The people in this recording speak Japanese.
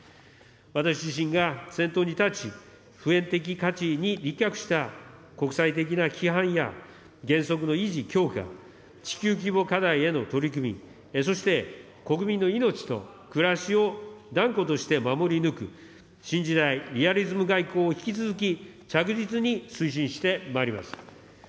私自身が先頭に立ち、普遍的価値に立脚した国際的な規範や原則の維持・強化、地球規模課題への取り組み、そして、国民の命と暮らしを断固として守り抜く、新時代リアリズム外交を、引き続き着実に推進してまいります。